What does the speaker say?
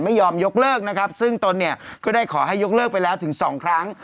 ไม่ยอมยกเลิกนะครับซึ่งตนเนี่ยก็ได้ขอให้ยกเลิกไปแล้วถึงสองครั้ง